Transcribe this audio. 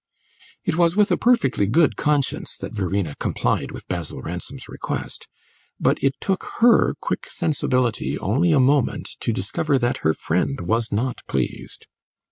It was with a perfectly good conscience that Verena complied with Basil Ransom's request; but it took her quick sensibility only a moment to discover that her friend was not pleased.